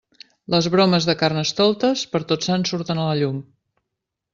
Les bromes de Carnestoltes, per Tots Sants surten a la llum.